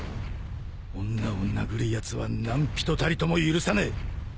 女を殴るやつは何ぴとたりとも許さねえ！